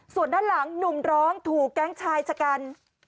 ส่วนด้านหลังหนุ่มร้องถูกแก๊งชายชะกัน